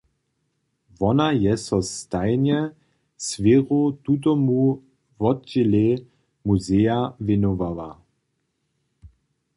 Wona je so stajnje swěru tutomu wotdźělej muzeja wěnowała.